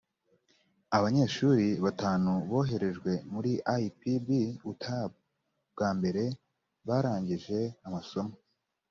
abanyeshuri batanu boherejwe muri ipb utab bwa mbere barangije amasomo